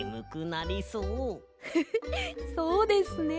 フフッそうですね。